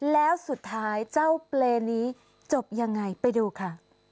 แล้วสุดท้ายเจ้าเปรย์นี้จบยังไงไปดูค่ะ